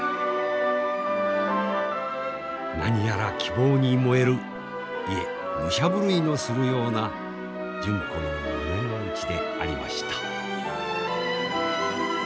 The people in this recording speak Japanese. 何やら希望に燃えるいえ武者震いのするような純子の胸の内でありました。